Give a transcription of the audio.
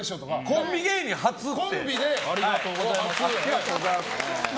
コンビ芸人初って。